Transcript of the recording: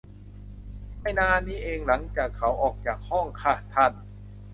ไม่นานนี้เองหลังจากเขาออกจากห้องค่ะ ท่าน